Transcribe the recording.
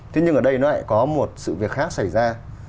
thế nhưng ở đây nó lại có một sự việc khác xảy ra